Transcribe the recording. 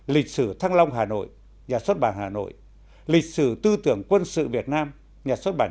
lịch sử thăng long hà nội nhà xuất bản hà nội lịch sử tư tưởng quân sự việt nam nhà xuất bản